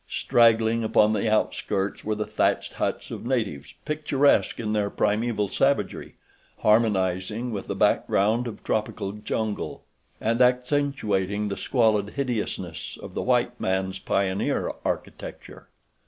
Straggling upon the outskirts were the thatched huts of natives, picturesque in their primeval savagery, harmonizing with the background of tropical jungle and accentuating the squalid hideousness of the white man's pioneer architecture.